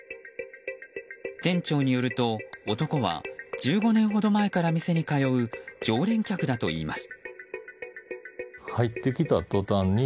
店長によると、男は１５年ほど前から店に通う、常連客だといいます。